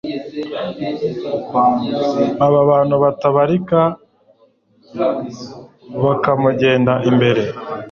abantu batabarika bakamugenda imbere